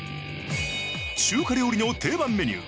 中華料理の定番メニュー